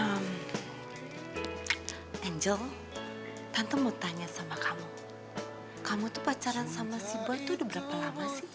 angel tante mau tanya sama kamu kamu tuh pacaran sama si bo itu udah berapa lama sih